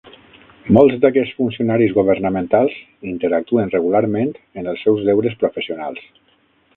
Molts d'aquests funcionaris governamentals interactuen regularment en els seus deures professionals.